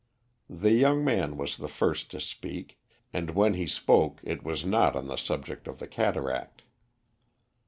The young man was the first to speak, and when he spoke it was not on the subject of the cataract.